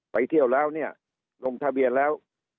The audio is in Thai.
ไปเที่ยวแล้วลงทะเบียนแล้ว